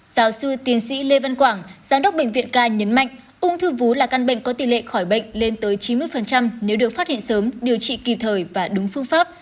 giáo sư tiến sĩ lê văn quảng giám đốc bệnh viện ca nhấn mạnh ung thư vú là căn bệnh có tỷ lệ khỏi bệnh lên tới chín mươi nếu được phát hiện sớm điều trị kịp thời và đúng phương pháp